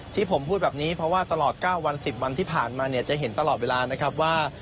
ที่ผมพูดแบบนี้เพราะว่าตลอด๙วัน๑๐วันที่ผ่านมาเนี่ยจะเห็นตลอดเวลานะครับว่า